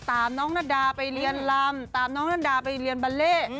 ตามน้องนัดดาไปเรียนลำตามน้องนัดดาไปเรียนบาเล่